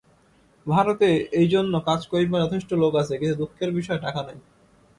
ভারতে এইজন্য কাজ করিবার যথেষ্ট লোক আছে, কিন্তু দুঃখের বিষয় টাকা নাই।